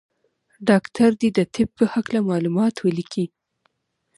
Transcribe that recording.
ډاکټر دي د طب په هکله معلومات ولیکي.